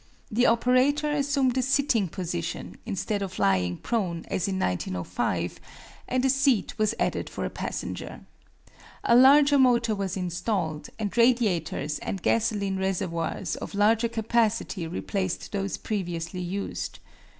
The operator assumed a sitting position, instead of lying prone, as in 1905, and a seat was added for a passenger. A larger motor was installed, and radiators and gasoline reservoirs of larger capacity replaced those previously used.